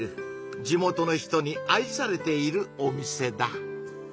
地元の人に愛されているお店だ。